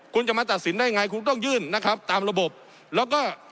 คุณจะมาตัดสินได้ไงคุณต้องยื่นนะครับตามระบบแล้วก็